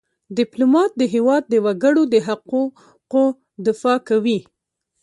ډيپلومات د هېواد د وګړو د حقوقو دفاع کوي .